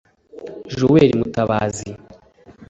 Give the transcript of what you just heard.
Joel Mutabazi